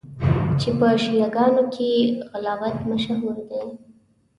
چي په شیعه ګانو کي په غُلات مشهور دي.